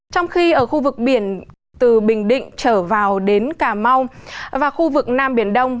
trong khi ở khu vực biển từ bình định trở vào đến cà mau và khu vực nam biển đông